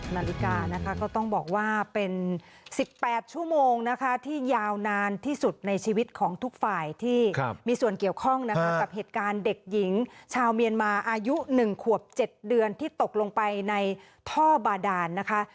นาฬิกานะคะก็ต้องบอกว่าเป็น๑๘ชั่วโมงนะคะที่ยาวนานที่สุดในชีวิตของทุกฝ่ายที่มีส่วนเกี่ยวข้องนะคะกับเหตุการณ์เด็กหญิงชาวเมียนมาอายุ๑ขวบ๗เดือนที่ตกลงไปในท่อบาดานนะคะ